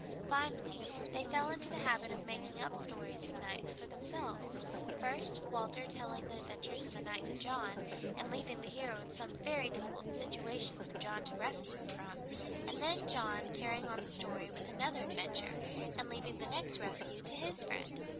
Finally they fell into the habit of making up stories of knights for themselves, first Walter telling the adventures of a knight to John, and leaving the hero in some very difficult situation for John to rescue him from, and then John carrying on the story with another adventure, and leaving the next rescue to his friend.